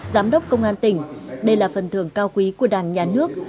giám đốc công an tỉnh đây là phần thưởng cao quý của đảng nhà nước